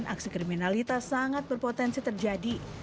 aksi kriminalitas sangat berpotensi terjadi